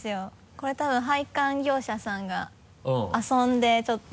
これ多分配管業者さんが遊んでちょっと。